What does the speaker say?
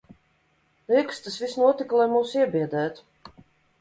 Liekas, tas viss notika, lai mūs iebiedētu.